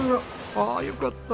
ああよかった！